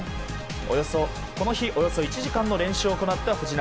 この日およそ１時間の練習を行った藤浪。